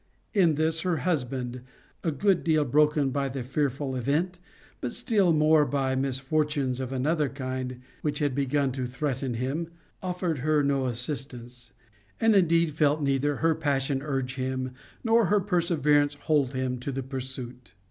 In this her husband, a good deal broken by the fearful event, but still more by misfortunes of another kind which had begun to threaten him, offered her no assistance, and indeed felt neither her passion urge him, nor her perseverance hold him to the pursuit.